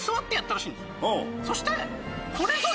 そして。